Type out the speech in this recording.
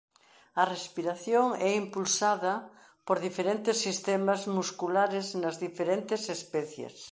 A respiración é impulsada por diferentes sistemas musculares nas diferentes especies.